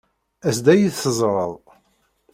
As-d ad iyi-teẓreḍ.